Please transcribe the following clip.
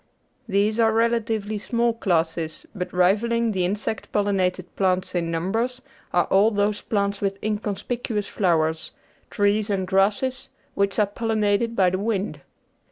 These are relatively small classes, but rivalling the insect pollin ated plants in numbers are all those plants with inconspicuous flowers, trees and grasses, which are pollinated by the wind.